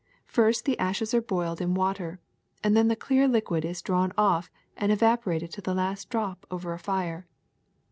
First the ashes are boiled in water, and then the clear liquid is drawn off and evaporated to the last drop over a fire.